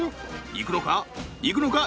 いくのかいくのか？